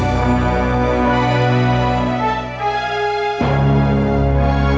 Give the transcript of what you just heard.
terima kasih sudah p woman